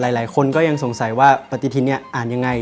หลายคนก็ยังสงสัยว่าปฏิทินนี้อ่านยังไง